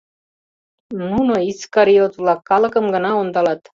Нуно, искариот-влак, калыкым гына ондалат.